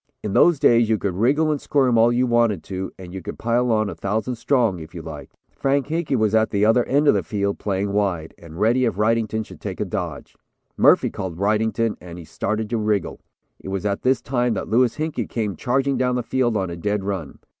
In those days you could wriggle and squirm all you wanted to and you could pile on a thousand strong, if you liked. Frank Hinkey was at the other end of the field playing wide, and ready if Wrightington should take a dodge. Murphy caught Wrightington and he started to wriggle. It was at this time that Louis Hinkey came charging down the field on a dead run.